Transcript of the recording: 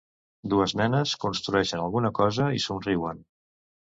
Dues nenes construïxen alguna cosa i somriuen.